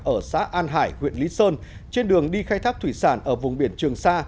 ở xã an hải huyện lý sơn trên đường đi khai thác thủy sản ở vùng biển trường sa